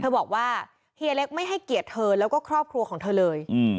บอกว่าเฮียเล็กไม่ให้เกียรติเธอแล้วก็ครอบครัวของเธอเลย